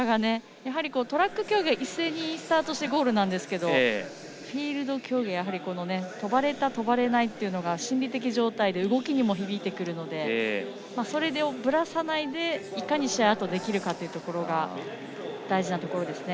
やはりトラック競技は一斉にスタートしてゴールですがフィールド競技は跳ばれた跳ばれないというのが心理的状態で動きにも響いてくるのでそれでぶれずに、いかに試合をできるかが大事なところですね。